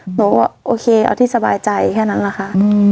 หนูก็โอเคเอาที่สบายใจแค่นั้นแหละค่ะ